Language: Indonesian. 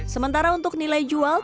sementara untuk nilai jualan